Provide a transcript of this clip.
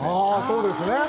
そうですね。